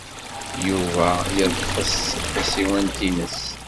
Yuba yeḍfes tasiwant-nnes.